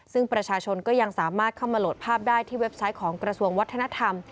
ซึ่งประชาชนก็ยังสามารถเข้ามาโหลดภาพได้ที่เว็บไซต์ของกระทรวงวัฒนธรรม